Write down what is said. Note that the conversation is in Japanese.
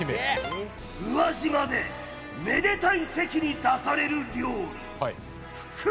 宇和島でめでたい席に出される料理